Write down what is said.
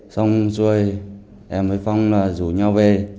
xong rồi em với phong là rủ nhau về